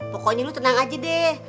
pokoknya lu tenang aja deh